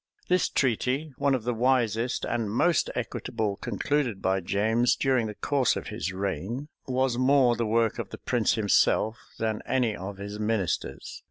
This treaty, one of the wisest and most equitable concluded by James during the course of his reign was more the work of the prince himself, than any of his ministers.